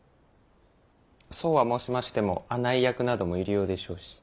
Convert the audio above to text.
そうは申しましても案内役なども入り用でしょうし。